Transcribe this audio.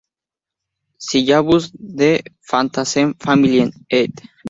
Syllabus der Pflanzenfamilien ed.